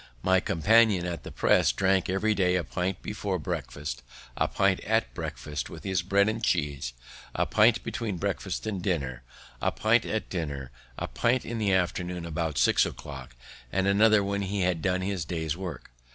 My companion at the press drank every day a pint before breakfast, a pint at breakfast with his bread and cheese, a pint between breakfast and dinner, a pint at dinner, a pint in the afternoon about six o'clock, and another when he had done his day's work.